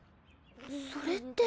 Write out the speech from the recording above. それって。